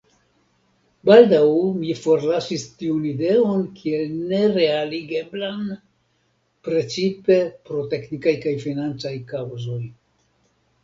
Baldaŭ mi forlasis tiun ideon kiel nerealigeblan, precipe pro teknikaj kaj financaj kaŭzoj.